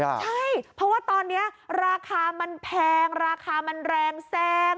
ใช่เพราะว่าตอนนี้ราคามันแพงราคามันแรงแซง